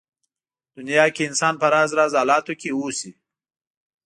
دنيا کې انسان په راز راز حالاتو کې اوسي.